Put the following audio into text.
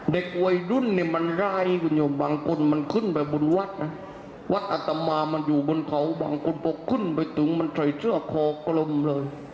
เด็กวัยรุ่นเนี่ยมันร้ายคุณอยู่บางคนมันขึ้นไปบนวัดนะวัดอัตมามันอยู่บนเขาบางคนพอขึ้นไปถึงมันใส่เสื้อคอกลมเลย